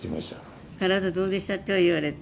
「体どうでした？」って言われた。